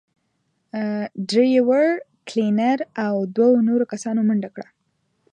ډرېور، کلينر او دوو نورو کسانو منډه کړه.